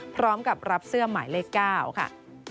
พร้อมกับรับเสื้อหมายเลข๙ค่ะ